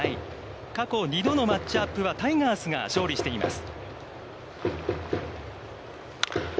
過去２度のマッチアップは、タイガースが勝利しています。